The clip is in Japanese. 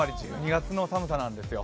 １２月の寒さなんですよ。